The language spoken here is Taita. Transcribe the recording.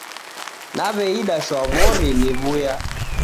Naw'eida shwaw'ori niw'uya